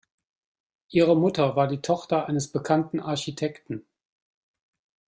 Ihre Mutter war die Tochter eines bekannten Architekten.